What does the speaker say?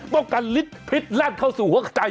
ป้องกันลิตรพิษแล่นเข้าสู่หัวใจ